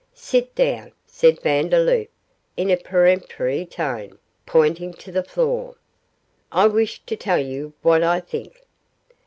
'Sit down,' said Vandeloup, in a peremptory tone, pointing to the floor. 'I wish to tell you what I think.